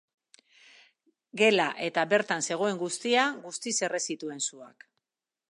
Gela eta bertan zegoen guztia, guztiz erre zituan suak.